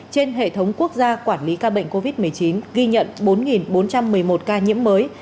trên hệ thống quốc gia quản lý ca bệnh covid một mươi chín ghi nhận bốn bốn trăm một mươi một ca nhiễm mới